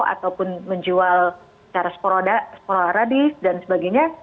ataupun menjual secara sporadis dan sebagainya